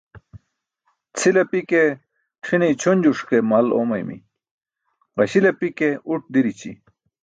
Cʰil api ke c̣ʰine ićʰonjuş ke maal oomaymi, ġaśil api ke uṭ dirici.